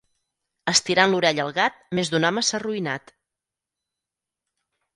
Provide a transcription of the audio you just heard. Estirant l'orella al gat més d'un home s'ha arruïnat.